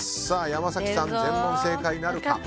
山崎さん、全問正解なるか。